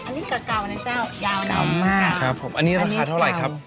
อันนี้ก็เก่านะเจ้าเก่ามากอันนี้ราคาเท่าไหร่ครับ